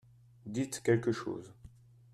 dites quelque chose.